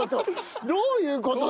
どういう事？